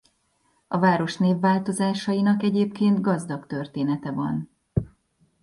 A város névváltozásainak egyébként gazdag története van.